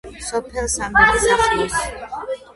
სოფელ სამბეკის ახლოს.